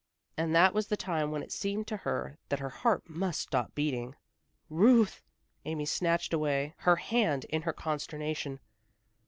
And that was the time when it seemed to her that her heart must stop beating. "Ruth!" Amy snatched away her hand in her consternation.